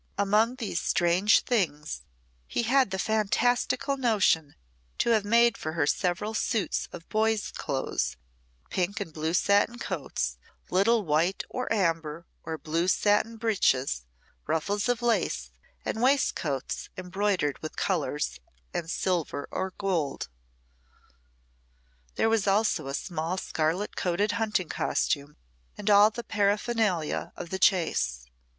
Among these strange things, he had the fantastical notion to have made for her several suits of boy's clothes: pink and blue satin coats, little white, or amber, or blue satin breeches, ruffles of lace, and waistcoats embroidered with colours and silver or gold. There was also a small scarlet coated hunting costume and all the paraphernalia of the chase.